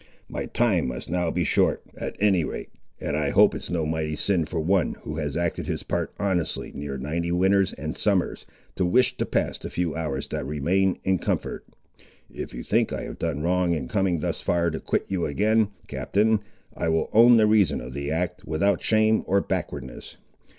My time must now be short, at any rate, and I hope it's no mighty sin for one, who has acted his part honestly near ninety winters and summers, to wish to pass the few hours that remain in comfort. If you think I have done wrong in coming thus far to quit you again, Captain, I will own the reason of the act, without shame or backwardness.